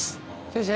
先生。